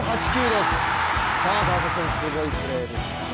すごいプレーでしたね。